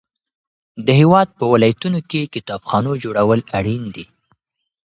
د هیواد په ولایتونو کې کتابخانو جوړول اړین دي.